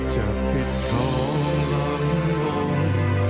จะผิดท้องลำลง